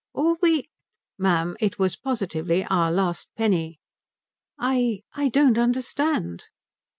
"All we ?" "Ma'am, it was positively our last penny." "I don't understand."